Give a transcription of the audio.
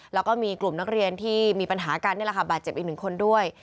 แล้วก็มีกลุ่มนักเรียนที่มีปัญหาการบาดเจ็บอีกหนึ่งคนด้วย